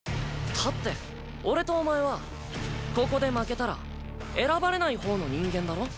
だって俺とお前はここで負けたら選ばれないほうの人間だろ。